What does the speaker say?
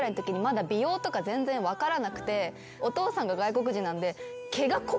お父さんが外国人なんで。